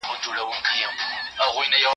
ما مخکي د سبا لپاره د هنرونو تمرين کړی وو!